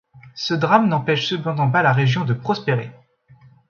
Ce drame n'empêche cependant pas la région de prospérer.